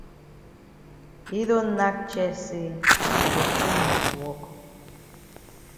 Yi don nack chest say de tin must wok.